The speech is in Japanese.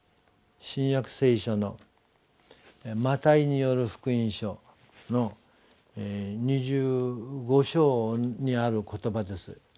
「新約聖書」の「マタイによる福音書」の２５章にある言葉です。